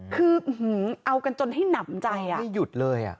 คือเอากันจนให้หนำใจไม่หยุดเลย